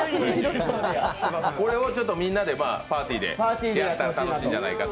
これをみんなでパーティーでやったら楽しいんじゃないかと。